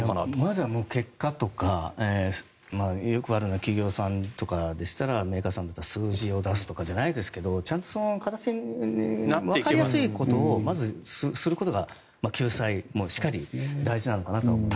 まずは結果とかよくあるのは企業さんとかメーカーさんだったら数字を出すじゃないですけどちゃんとそういう形にわかりやすいことをまずすることが救済もしかり大事なのかなと思います。